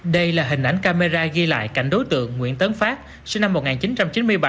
đây là hình ảnh camera ghi lại cảnh đối tượng nguyễn tấn phát sinh năm một nghìn chín trăm chín mươi bảy